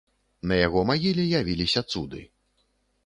На яго магіле явіліся цуды.